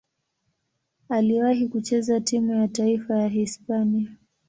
Aliwahi kucheza timu ya taifa ya Hispania.